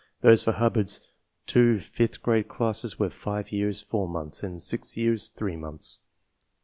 Those for Hubbard's two fifth grade classes were 5 years 4 months and 6 years 3 months.